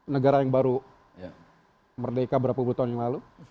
negara yang baru merdeka berapa puluh tahun yang lalu